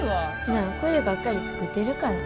まあこればっかり作ってるから。